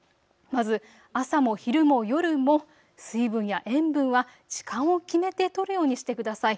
まず朝も昼も夜も水分や塩分は時間を決めてとるようにしてください。